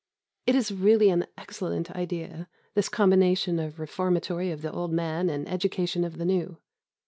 It is really an excellent idea, this combination of Reformatory of the old man and Education of the new.